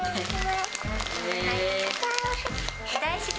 大好き？